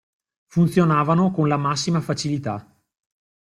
Funzionavano con la massima facilità.